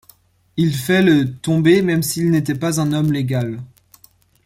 Il fait le tombé même s'il n'était pas un homme légal.